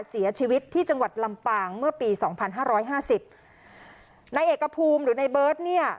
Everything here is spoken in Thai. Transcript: เสียชีวิตที่จังหวัดลำปางเมื่อปีสองพันห้าร้อยห้าสิบนายเอกภูมิหรือในเบิร์ตเนี่ย